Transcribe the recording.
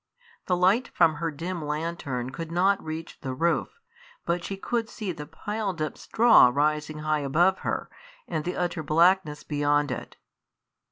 The light from her dim lantern could not reach the roof, but she could see the piled up straw rising high above her, and the utter blackness beyond it.